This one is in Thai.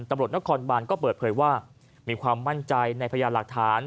ตำรวจนครบานก็เปิดเผยว่ามีความมั่นใจในพยานหลักฐาน